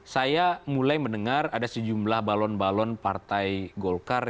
saya mulai mendengar ada sejumlah balon balon partai golkar